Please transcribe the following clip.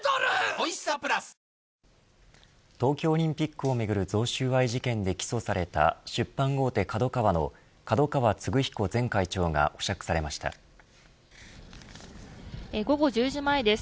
おいしさプラス東京オリンピックをめぐる贈収賄事件で起訴された出版大手ＫＡＤＯＫＡＷＡの角川歴彦前会長が午後１０時前です。